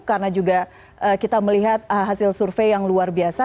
karena juga kita melihat hasil survei yang luar biasa